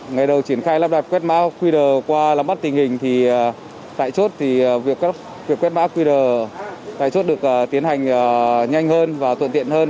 ngày đầu triển khai lắp đặt quét mã qr qua lắm bắt tình hình thì tại chốt thì việc các quyệt quét mã qr tại chốt được tiến hành nhanh hơn và thuận tiện hơn